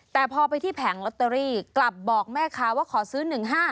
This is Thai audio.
แต่พอไปที่แผงลอตเตอรี่กลับบอกแม่ค้าว่าขอซื้อ๑๕๗